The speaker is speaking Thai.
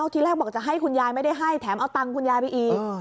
ทีแรกบอกจะให้คุณยายไม่ได้ให้แถมเอาตังค์คุณยายไปอีก